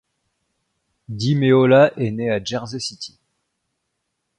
Di Meola est né à Jersey City.